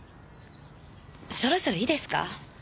そろそろいいですか。